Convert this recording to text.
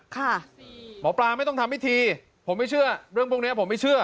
หมอปลาไม่ต้องทำพิธีผมไม่เชื่อเรื่องพวกนี้ผมไม่เชื่อ